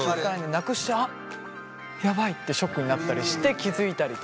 なくしてあっやばいってショックになったりして気付いたりとか。